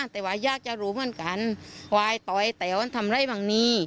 แต่ว่ายากจะรู้เหมือนกันว่าไอ้ต๋อยไอ้แต๋วมันทำไรบางนี้